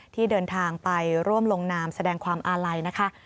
ที่เดินทางไปร่วมลงนามแสดงความอาลัยนะคะ